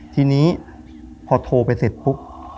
ทีนี้พอโทรไปเสร็จปุ๊บ